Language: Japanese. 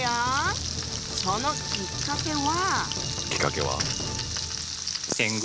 そのきっかけは。